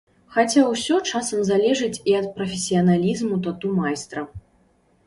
Хаця ўсё часам залежыць і ад прафесіяналізму тату-майстра.